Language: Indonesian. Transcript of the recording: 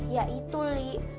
ya itu li